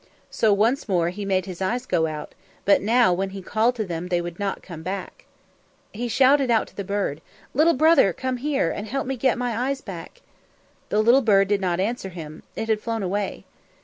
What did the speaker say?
So once more he made his eyes go out, but now when he called to them they would not come back. He shouted out to the bird, "Little brother, come here, and help me to get back my eyes." The little bird did not answer him; it had flown away.